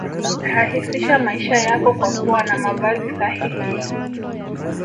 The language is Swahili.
Rahisisha maisha yako kwa kuwa na mavazi sahihi